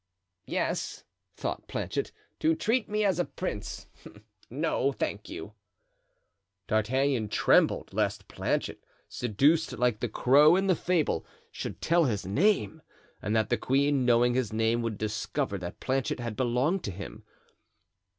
"Yes," thought Planchet, "to treat me as a prince. No, thank you." D'Artagnan trembled lest Planchet, seduced, like the crow in the fable, should tell his name, and that the queen, knowing his name, would discover that Planchet had belonged to him.